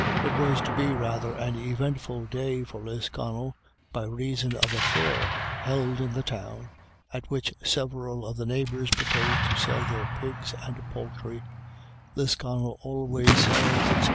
It was to be rather an eventful day for Lisconnel, by reason of a fair held in the Town, at which several of the neighbours proposed to sell their pigs and poultry, Lisconnel always sells its BACKWARDS AND FORWARDS.